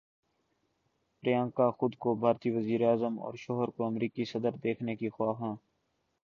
پریانکا خود کو بھارتی وزیر اعظم اور شوہر کو امریکی صدر دیکھنے کی خواہاں